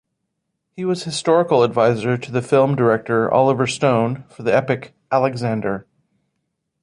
He was historical advisor to the film director Oliver Stone for the epic "Alexander".